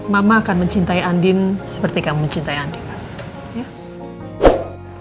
mama akan mencintai andin seperti kamu mencintai andi